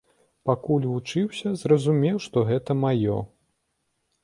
Пакуль вучыўся, зразумеў што гэта маё.